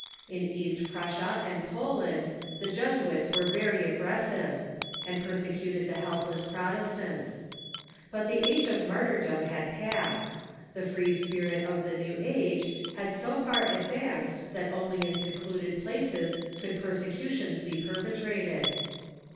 In East Prussia and Poland the Jesuits were very aggressive, and per secuted the helpless Protestants. But the age of martyrdom liad passed. The free spirit of the new age had so far advanced that only in secluded places could persecutions be perpetrated.